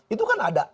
itu kan ada